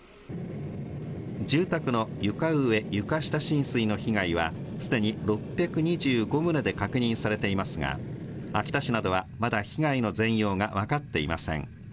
住宅の床上・床下浸水の被害は、すでに６２５棟で確認されていますが、秋田市などは、まだ被害の全容が分かっていません。